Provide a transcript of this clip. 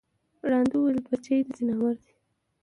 ړانده وویل بچی د ځناور دی